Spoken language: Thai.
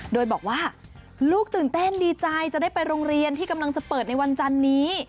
โดยบอกว่าลูกตื่นเต้นดีใจจะได้ไปโรงเรียนที่กำลังจะเปิดในวันจันนี้